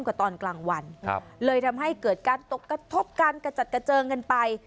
ตอนกลางวันเลยทำให้เกิดการตกกระทบการกระจัดกระเจิงกันไป